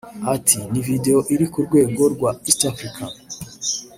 Ati “ Ni video iri ku rwego rwa East African